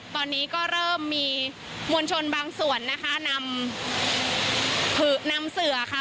ตอนนี้ก็เริ่มมีมวลชนบางส่วนนะคะนำเสือค่ะ